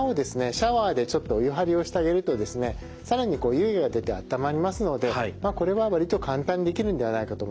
シャワーでちょっとお湯はりをしてあげるとですね更に湯気が出て暖まりますのでまあこれは割と簡単にできるんではないかと思います。